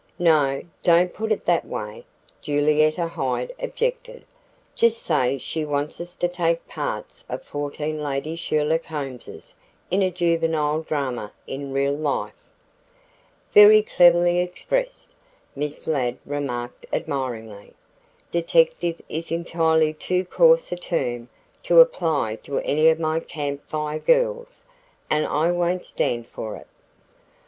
"No, don't put it that way," Julietta Hyde objected. "Just say she wants us to take the parts of fourteen Lady Sherlock Holmeses in a Juvenile drama in real life." "Very cleverly expressed," Miss Ladd remarked admiringly. "Detective is entirely too coarse a term to apply to any of my Camp Fire Girls and I won't stand for it."